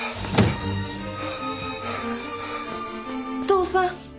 お父さん！